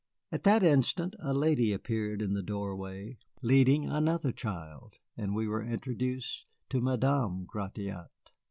At that instant a lady appeared in the doorway, leading another child, and we were introduced to Madame Gratiot.